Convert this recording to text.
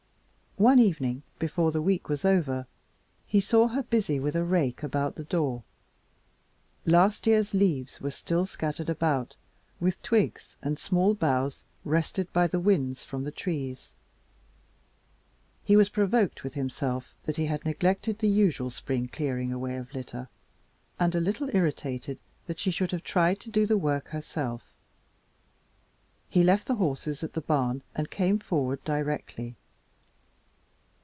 One evening, before the week was over, he saw her busy with a rake about the door. Last year's leaves were still scattered about, with twigs and even small boughs wrested by the winds from the trees. He was provoked with himself that he had neglected the usual spring clearing away of litter, and a little irritated that she should have tried to do the work herself. He left the horses at the barn and came forward directly.